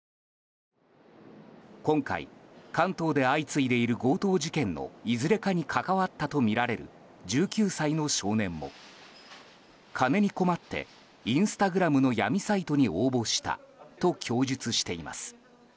今回、関東で相次いでいる強盗事件のいずれかに関わったとみられる１９歳の少年も、金に困ってインスタグラムの闇サイトに応募したと供述しています。